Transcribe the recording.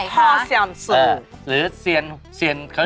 หัวท้อเซียนซือ